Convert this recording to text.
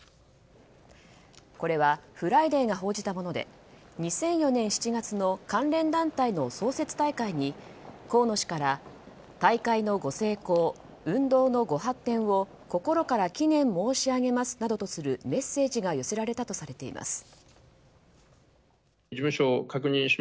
これは「フライデー」が報じたもので２００４年７月の関連団体の創設大会に河野氏から大会のご成功、運動のご発展を心から祈念申し上げますなどとするメッセージが寄せられたとされています。